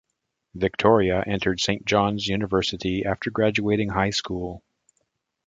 Victoria entered Saint Johns University after graduating high school.